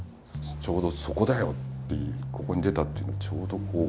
「ちょうどそこだよ」って「ここに出た」っていうのがちょうどこう。